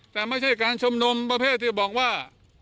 แต่ไม่ใช่การชุมนุมประเภทที่บอกว่า